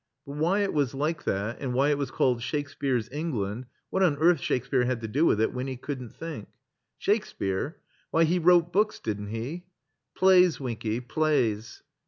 But why it was like that and why it was called Shakespeare's England, what on earth Shakespeare had to do with it, Winny couldn't think. Shakespeare ? Why, he wrote books, didn't he?" "Plays, Winky, plays."